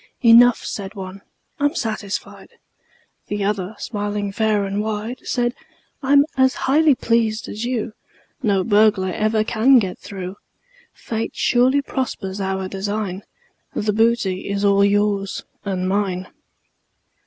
"Enough," said one: "I'm satisfied." The other, smiling fair and wide, Said: "I'm as highly pleased as you: No burglar ever can get through. Fate surely prospers our design The booty all is yours and mine."